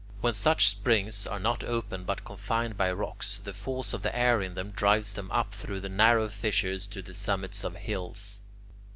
When such springs are not open but confined by rocks, the force of the air in them drives them up through the narrow fissures to the summits of hills.